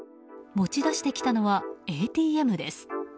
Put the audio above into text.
持ち出してきたのはＡＴＭです。